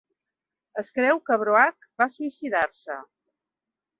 Es creu que Boake va suïcidar-se.